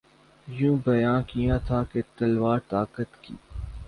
یوں بیان کیا تھا کہ تلوار طاقت کی